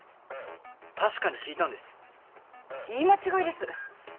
確かに聞いたんです言い間違いです